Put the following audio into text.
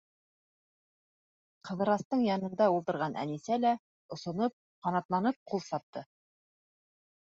Ҡыҙырастар янында ултырған Әнисә лә, осоноп, ҡанатланып ҡул сапты.